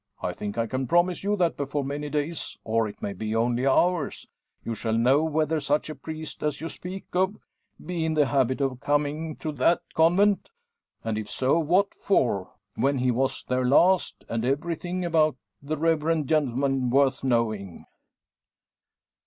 I think I can promise you that, before many days, or it may be only hours, you shall know whether such a priest as you speak of, be in the habit of coming to that convent; and if so, what for, when he was there last, and everything about the reverend gentleman worth knowing."